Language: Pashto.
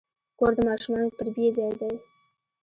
کور د ماشومانو د تربیې ځای دی.